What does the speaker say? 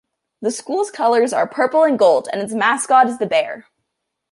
The school's colors are purple and gold and its mascot is the bear.